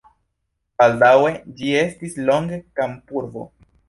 Baldaŭe ĝi estis longe kampurbo.